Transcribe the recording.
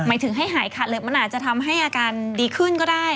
หมายถึงให้หายขาดเลยมันอาจจะทำให้อาการดีขึ้นก็ได้